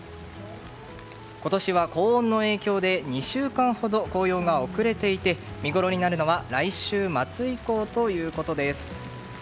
今年は高温の影響で２週間ほど紅葉が遅れていて見ごろになるのは来週末以降ということです。